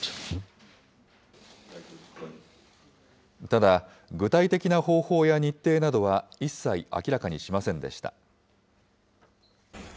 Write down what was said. ただ、具体的な方法や日程などは、一切明らかにしませんでした。